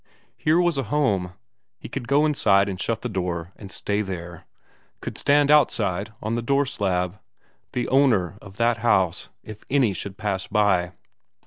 Here was a home; he could go inside and shut the door, and stay there; could stand outside on the door slab, the owner of that house, if any should pass by.